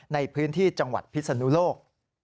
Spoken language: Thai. ในพื้นที่จังหวัดพิศนุโลก